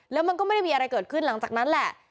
แล้วมันก็ไม่ได้มีอะไรเกิดขึ้นหลังจากนั้นแหละ